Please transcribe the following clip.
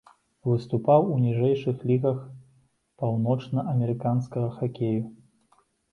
Выступаў у ніжэйшых лігах паўночнаамерыканскага хакею.